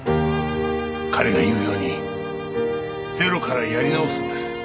彼が言うようにゼロからやり直すんです。